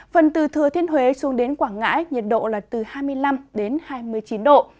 phần từ thừa thiên huế xuống đến quảng ngãi nhiệt độ là từ hai mươi năm đến hai mươi chín độ